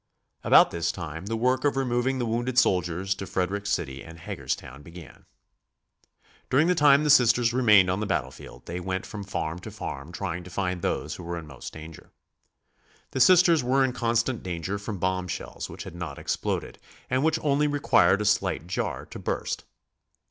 About this time the work of removing the wounded soldiers to Frederick City and Hagerstown began. During the time the Sisters remained on the battlefield they went from farm to farm trying to find those who were in most danger. The Sisters were in constant danger from bomb shells which had not exploded and which only required a slight jar to burst.